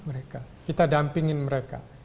mereka kita dampingin mereka